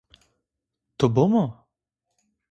Ti bom a?